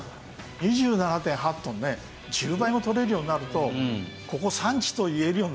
２７．８トンね１０倍も取れるようになるとここ産地と言えるようになりますよね。